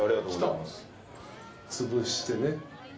潰してね。